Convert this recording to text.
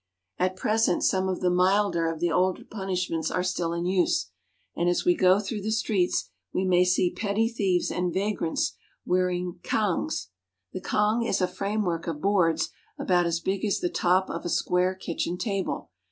At present some of the milder of the old punishments are still in use ; and as we go through the streets we may see petty thieves and vagrants wearing cangues (kangs). The cangue is a framework of boards about as big as the top of a square kitchen table.